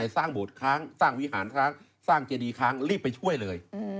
สร้างวิหารสร้างเจภีย์ดีรีบไปช่วยเลย